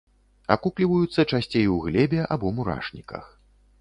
Акукліваюцца часцей у глебе або мурашніках.